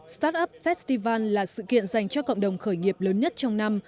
startup festival là sự kiện dành cho cộng đồng khởi nghiệp lớn nhất trong năm